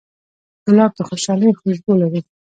ګلاب د خوشحالۍ خوشبو لري.